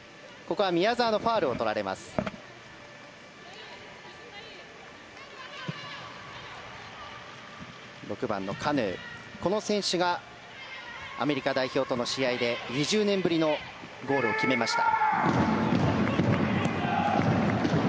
この選手がアメリカ代表との試合で２０年ぶりのゴールを決めました。